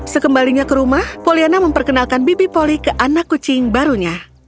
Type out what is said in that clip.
sekembalinya ke rumah poliana memperkenalkan bibi poli ke anak kucing barunya